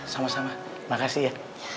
sama sama makasih ya